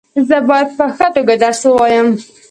زه باید په ښه توګه درس وایم.